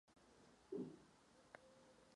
Kolik času potřebujete?